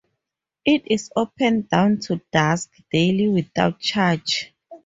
It is open dawn to dusk daily without charge.